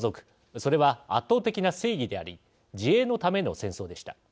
それは圧倒的な正義であり自衛のための戦争でした。